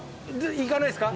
いかないっすか？